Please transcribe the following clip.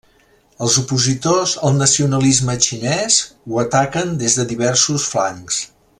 Els opositors al nacionalisme xinès ho ataquen des de diversos flancs.